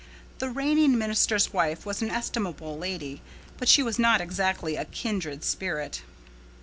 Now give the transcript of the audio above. The reigning minister's wife was an estimable lady, but she was not exactly a kindred spirit.